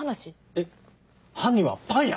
えっ犯人はパン屋？